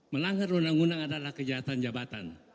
melanggar undang undang adalah kejahatan jabatan